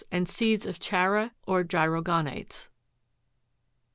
159), and seeds ofchara, or gyro'gonites (jig.